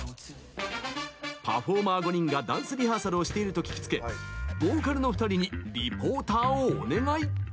パフォーマー５人がダンスリハーサルをしていると聞きつけ、ボーカルの２人にリポーターをお願い。